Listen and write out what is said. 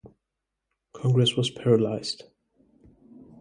Congress was paralyzed.